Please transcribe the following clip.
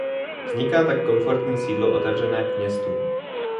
Vzniká tak komfortní sídlo otevřené k městu.